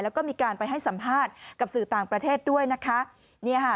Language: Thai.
แล้วก็มีการไปให้สัมภาษณ์กับสื่อต่างประเทศด้วยนะคะ